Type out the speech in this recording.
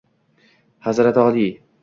-Hazrati oliy!